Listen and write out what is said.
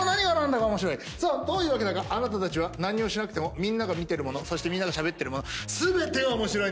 さあどういうわけだかあなたたちは何もしなくてもみんなが見てるものみんながしゃべってるもの全て面白い。